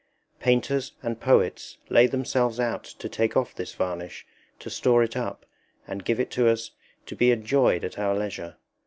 Painters and poets lay themselves out to take off this varnish, to store it up, and give it us to be enjoyed at our leisure.